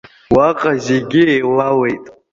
Уаҟа зегьы еилалеит.